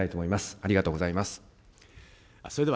ありがとうございます。